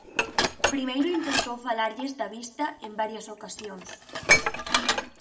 Primeiro intentou falarlles da vista en varias ocasións.